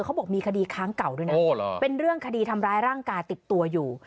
เขาบอกมีคดีค้างเก่าด้วยนะเป็นเรื่องคดีทำร้ายร่างกายติดตัวอยู่